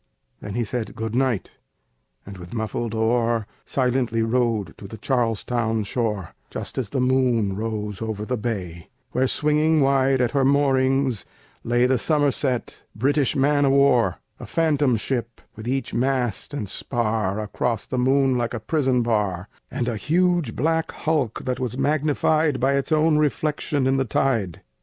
Then he said "good night," and with muffled oar Silently rowed to the Charlestown shore, Just as the moon rose over the bay, Where, swinging wide at her moorings, lay The Somerset, British man of war: A phantom ship, with each mast and spar Across the moon, like a prison bar, And a huge black hulk, that was magnified By its own reflection in the tide.